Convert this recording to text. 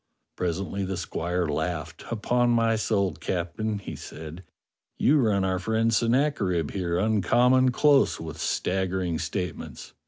Presently the squire laughed. " Upon my soul, Captain," he said, "you run our friend Sen nacherib here uncommon close with staggering state ments.